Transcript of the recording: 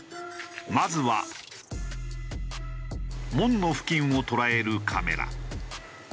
まずは門の付近を捉えるカメラ。